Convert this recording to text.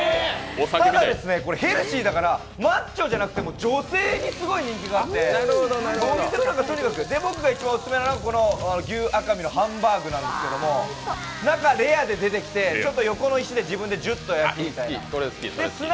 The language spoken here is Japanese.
ただ、ヘルシーだからマッチョじゃなくても女性にすごく人気があって僕が一番おすすめなのが牛赤身のハンバーグなんですけど中はレアで出てきて、横の石で自分でジュッと焼くみたいな。